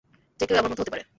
যে কেউই তোমার মতো হতে পারে।